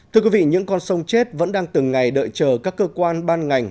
thưa quý vị những con sông chết vẫn đang từng ngày đợi chờ các cơ quan ban ngành